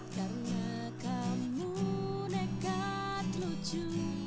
karena kamu dekat lucu